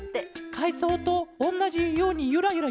かいそうとおんなじようにゆらゆらゆれて。